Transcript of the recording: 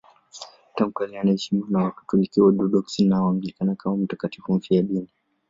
Tangu kale anaheshimiwa na Wakatoliki, Waorthodoksi na Waanglikana kama mtakatifu mfiadini.